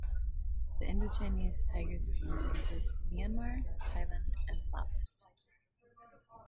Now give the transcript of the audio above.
The Indochinese tiger' range includes Myanmar, Thailand and Laos.